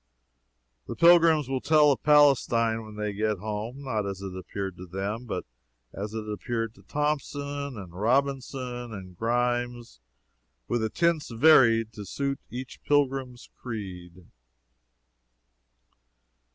The pilgrims will tell of Palestine, when they get home, not as it appeared to them, but as it appeared to Thompson and Robinson and Grimes with the tints varied to suit each pilgrim's creed.